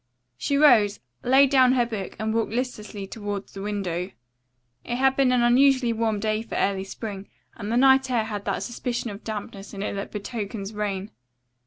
She rose, laid down her book and walked listlessly toward the window. It had been an unusually warm day for early spring and the night air had that suspicion of dampness in it that betokens rain.